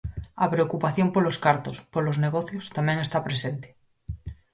A preocupación polos cartos, polos negocios, tamén está presente.